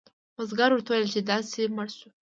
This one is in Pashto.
بزګر ورته وویل چې داسې مړ شو.